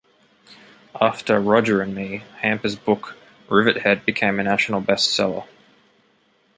After "Roger and Me", Hamper's book "Rivethead" became a national bestseller.